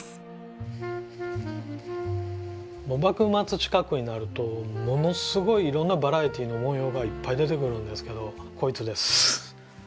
幕末近くになるとものすごいいろんなバラエティーの模様がいっぱい出てくるんですけどこいつです蛙。